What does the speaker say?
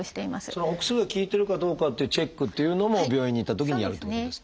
そのお薬が効いてるかどうかっていうチェックっていうのも病院に行ったときにやるってことですか？